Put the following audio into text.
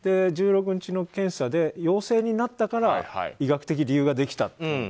１６日の検査で陽性になったから医学的理由ができたと。